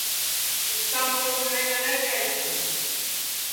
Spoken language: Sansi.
اِس کا مُڑس نائی لڑے کیا اِس کُو